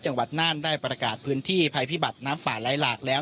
จังหวัดน่านได้ประกาศพื้นที่ภัยพิบัติน้ำป่าไหลหลากแล้ว